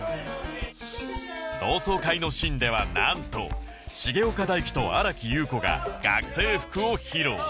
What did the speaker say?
同窓会のシーンではなんと重岡大毅と新木優子が学生服を披露